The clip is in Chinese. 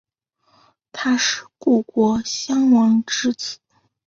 他是故国壤王之子。